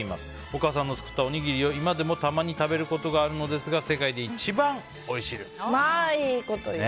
お母さんの作ったおにぎりを今でもたまに食べることがあるんですが世界で一番おいしいです。